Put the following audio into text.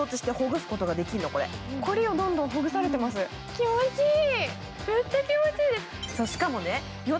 気持ちいい。